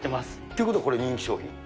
ということは、これ、人気商品？